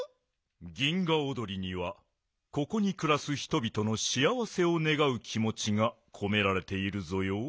銀河おどりにはここにくらす人々のしあわせをねがうきもちがこめられているぞよ。